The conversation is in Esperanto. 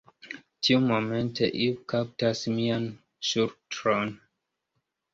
Tiumomente iu kaptas mian ŝultron.